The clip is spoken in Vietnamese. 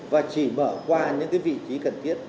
và chỉ mở qua những vị trí cần thiết